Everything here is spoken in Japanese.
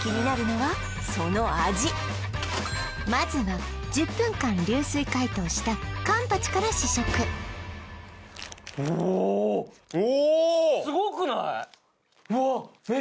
やはりまずは１０分間流水解凍したカンパチから試食おおおおすごくない？